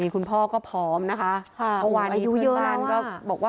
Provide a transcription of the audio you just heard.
คุณพ่อก็พร้อมนะคะวันนี้เพื่อนบ้านก็บอกว่า